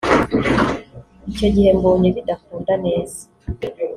Icyo gihe mbonye bidakunda neza